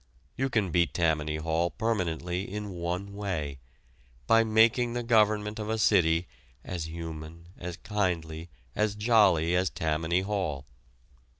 You can beat Tammany Hall permanently in one way by making the government of a city as human, as kindly, as jolly as Tammany Hall.